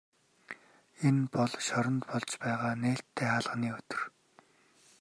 Энэ бол шоронд болж байгаа нээлттэй хаалганы өдөр.